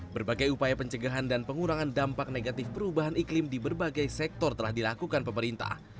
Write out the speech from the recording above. berbagai upaya pencegahan dan pengurangan dampak negatif perubahan iklim di berbagai sektor telah dilakukan pemerintah